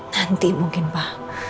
nanti mungkin pak